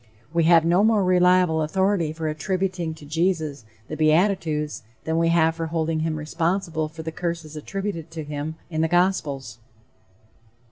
We have no more reliable authority for attributing to Jesus the beatitudes than we have for holding him responsible for the curses attributed to him in the gospels.